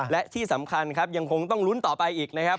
และที่สำคัญครับยังคงต้องลุ้นต่อไปอีกนะครับ